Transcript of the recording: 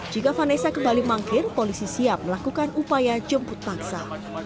jika vanessa kembali mangkir polisi siap melakukan upaya jemput paksa